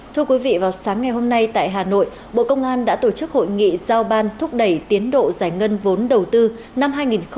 thưa quý vị vào sáng ngày hôm nay tại hà nội bộ công an đã tổ chức hội nghị giao ban thúc đẩy tiến độ giải ngân vốn đầu tư năm hai nghìn hai mươi